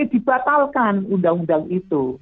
dibatalkan undang undang itu